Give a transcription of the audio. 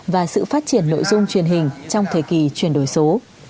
và sự phát triển nội dung truyền hình trong thời kỳ chuyển đổi số